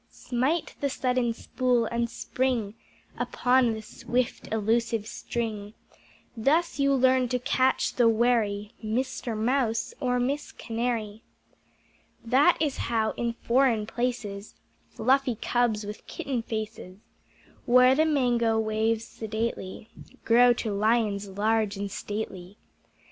Smite the Sudden Spool, and spring Upon the Swift Elusive String, Thus you learn to catch the wary Mister Mouse or Miss Canary. That is how in Foreign Places Fluffy Cubs with Kitten faces, Where the mango waves sedately, Grow to Lions large and stately.